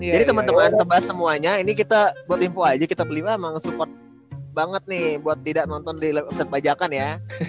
jadi temen temen buat bahas semuanya ini kita buat info aja kita beli emang support banget nih buat tidak nonton di website bajakan ya